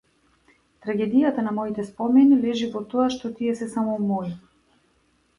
Трагедијата на моите спомени лежи во тоа што тие се само мои.